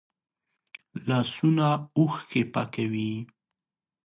لاسونه اوښکې پاکوي